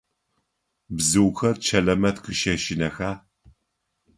Бзыухэр Чэлэмэт къыщэщынэха?